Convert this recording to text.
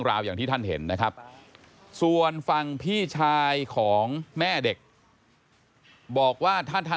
อย่าอย่าอย่าอย่าอย่าอย่าอย่าอย่าอย่าอย่าอย่าอย่าอย่า